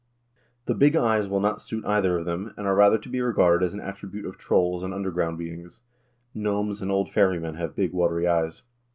The big eyes 3 will not suit either of them, and are rather to be regarded as an attribute of trolls and underground beings ; gnomes and old fairy men have big, watery eyes.